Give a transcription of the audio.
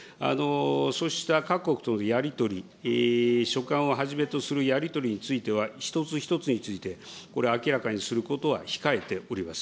そうした各国とのやり取り、書簡をはじめとするやり取りについては、一つ一つについて、これ、明らかにすることは控えております。